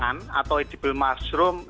yang dikonsumsi oleh perempuan yang berbahaya